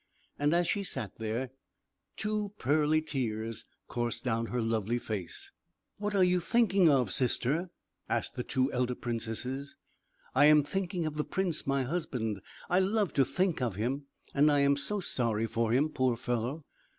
And as she sat there two pearly tears coursed down her lovely face. [Illustration: THE TRUANT WIFE IS CAPTURED] "What are you thinking of, sister?" asked the two elder princesses. "I am thinking of the prince, my husband. I love to think of him, and I am so sorry for him, poor fellow!